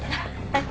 はい。